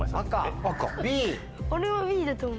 俺もＢだと思う。